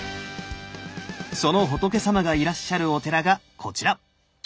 その仏さまがいらっしゃるお寺がこちら！